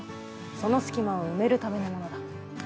その隙間を埋めるためのものだ。